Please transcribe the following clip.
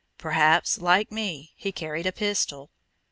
Perhaps, like me, he carried a pistol.